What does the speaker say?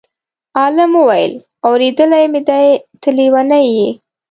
عالم وویل: اورېدلی مې دی ته لېونی یې.